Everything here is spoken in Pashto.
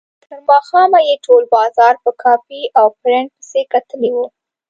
تر ماښامه یې ټول بازار په کاپي او پرنټ پسې کتلی و.